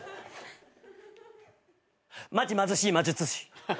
マジ貧しい魔術師。